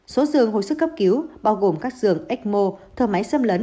số dường hồi sức cấp cứu bao gồm các dường ecmo thờ máy xâm lấn